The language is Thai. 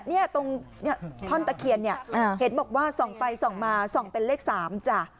เนี่ยตรงท่อนตะเคียนเนี่ยเห็นบอกว่าส่องไปส่องมาส่องเป็นเลข๓จ้ะ